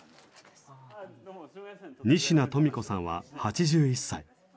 仁科富子さんは８１歳。